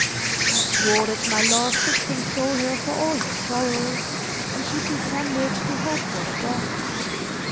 I swore that my love should console her for all her sorrows, and she pretended to hope for the best.